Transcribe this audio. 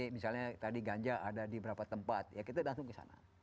misalnya tadi ganja ada di beberapa tempat ya kita langsung ke sana